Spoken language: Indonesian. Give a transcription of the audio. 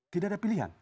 tidak ada pilihan